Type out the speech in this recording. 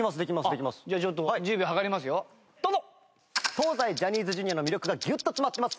東西ジャニーズＪｒ．の魅力がギュッと詰まってます。